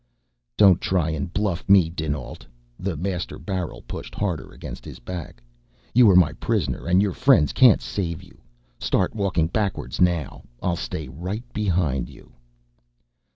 "Don't try and buff me, dinAlt," the maser barrel pushed harder against his back. "You are my prisoner and your friends can't save you. Start walking backwards now I'll stay right behind you."